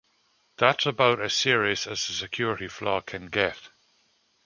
That's about as serious as a security flaw can get.